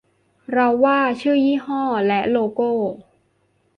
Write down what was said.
เราว่าชื่อยี่ห้อ กะ โลโก้